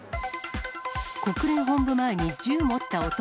国連本部前に銃持った男。